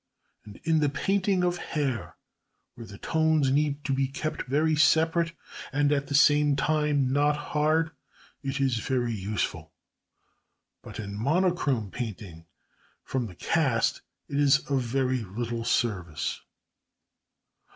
And in the painting of hair, where the tones need to be kept very separate, and at the same time not hard, it is very useful. But in monochrome painting from the cast it is of very little service.